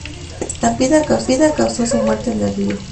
La estampida causó su muerte en el río.